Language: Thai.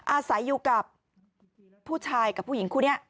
อาศัยอยู่กับผู้ชายกับผู้หญิงคู่นี้